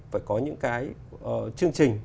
phải có những cái chương trình